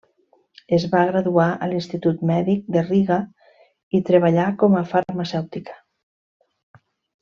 Es va graduar a l'Institut Mèdic de Riga, i treballà com a farmacèutica.